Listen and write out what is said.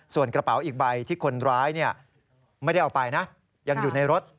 ส่วนกระเป๋าอีกใบที่คนร้ายไม่ได้เอาไปนะยังอยู่ในรถ